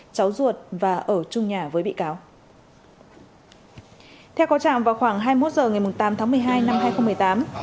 cháu ruột và ở trung nhà với bị cáo theo có trạng vào khoảng hai mươi một h ngày tám tháng một mươi hai năm hai nghìn một mươi tám